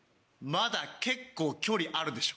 まだ結構距離あるでしょ？